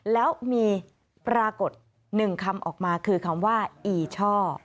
แล้วมีปรากฏ๑คำออกมาคือคำว่าอีช่อ